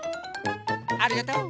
ありがとう。